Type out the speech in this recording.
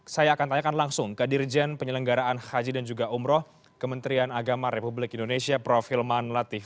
saya akan tanyakan langsung ke dirjen penyelenggaraan haji dan juga umroh kementerian agama republik indonesia prof hilman latif